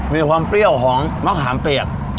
มีความเปรี้ยวของมะขามเปียก